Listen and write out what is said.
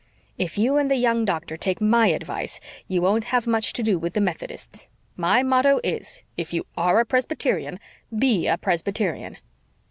If you and the young doctor take MY advice, you won't have much to do with the Methodists. My motto is if you ARE a Presbyterian, BE a Presbyterian."